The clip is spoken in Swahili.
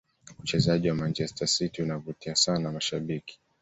uchezaji wa manchester city unavutia sana mashabiki